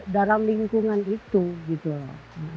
dalam lingkungan itu gitu loh